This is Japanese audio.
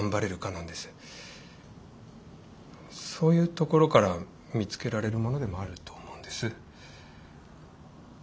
そういうところから見つけられるものでもあると思うんです。